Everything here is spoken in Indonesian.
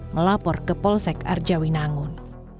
melapor ke polsek arjawinangun